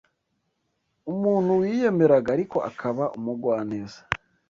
umuntu wiyemeraga ariko akaba umugwaneza